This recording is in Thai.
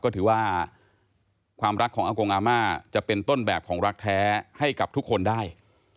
ก็ถือว่าความรักของอากงอาม่าจะเป็นต้นแบบของรักแท้ให้กับทุกคนได้